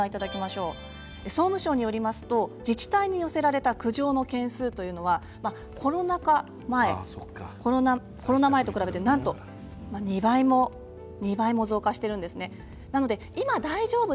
総務省によりますと自治体に寄せられた苦情の件数というのはコロナ禍前と比べて、なんと２割増加しているんです。